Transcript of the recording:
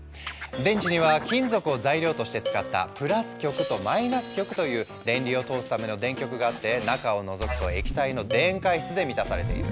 電池には金属を材料として使ったプラス極とマイナス極という電流を通すための「電極」があって中をのぞくと液体の「電解質」で満たされている。